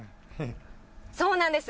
そうなんです。